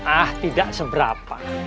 ah tidak seberapa